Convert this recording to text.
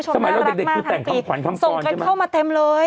สมัยเราเด็กคือแต่งคำขวัญส่งกันเข้ามาเต็มเลย